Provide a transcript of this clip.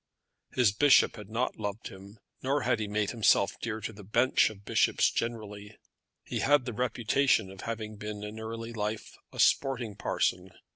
His bishop had not loved him, nor had he made himself dear to the bench of bishops generally. He had the reputation of having been in early life a sporting parson.